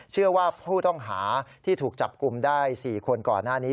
เชื่อว่าผู้ต้องหาที่ถูกจับกลุ่มได้๔คนก่อนหน้านี้